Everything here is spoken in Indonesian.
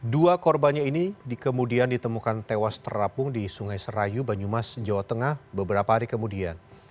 dua korbannya ini kemudian ditemukan tewas terapung di sungai serayu banyumas jawa tengah beberapa hari kemudian